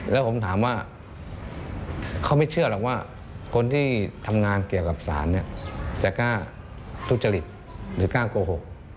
แล้วผมถามว่าเขาไม่เชื่อหรอกว่าคนที่ทำงานเกี่ยวกับสารเนี่ยจะกล้าทุจริตหรือกล้าโกหก